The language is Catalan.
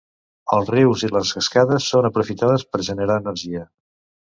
Els rius i les cascades són aprofitades per generar energia.